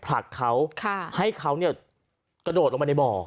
ผลักเขาให้เขากระโดดลงไปในบ่อ